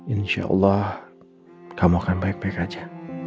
insyaallah kamu akan baik baik aja